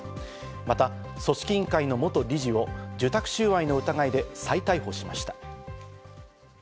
また組織委員会の元理事を受託収賄の疑いで再逮捕しました。